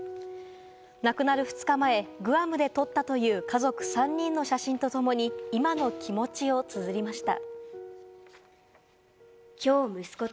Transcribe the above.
亡くなる２日前、グアムで撮ったという家族３人の写真とともに、今の気持ちをつづりました。